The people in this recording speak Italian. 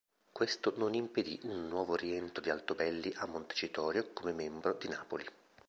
Questo non impedì un nuovo rientro di Altobelli a Montecitorio come membro di Napoli.